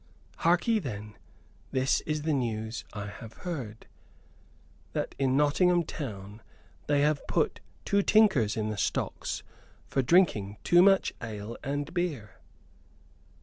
"Harkee, then this is the news I have heard: that in Nottingham town they have put two tinkers in the stocks for drinking too much ale and beer!"